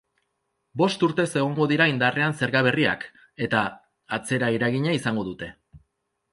Bost urtez egongo dira indarrean zerga berriak, eta atzeraeragina izango dute.